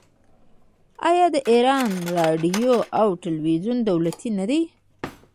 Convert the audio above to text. آیا د ایران راډیو او تلویزیون دولتي نه دي؟